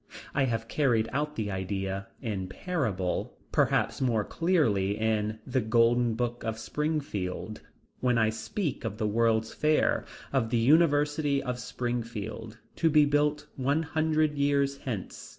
I have carried out the idea, in a parable, perhaps more clearly in The Golden Book of Springfield, when I speak of the World's Fair of the University of Springfield, to be built one hundred years hence.